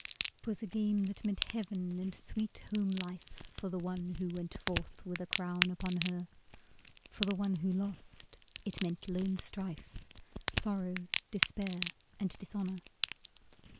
'Twas a game that meant heaven and sweet home life For the one who went forth with a crown upon her; For the one who lost it meant lone strife, Sorrow, despair and dishonor.